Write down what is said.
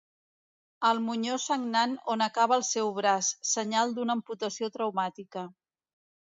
El monyó sagnant on acaba el seu braç, senyal d'una amputació traumàtica.